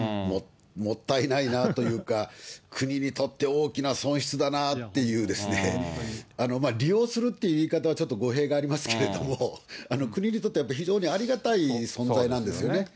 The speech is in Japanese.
もったいないなというか、国にとって大きな損失だなぁっていうですね、利用するっていう言い方はちょっと語弊がありますけれども、国にとってはやっぱり非常にありがたい存在なんですよね。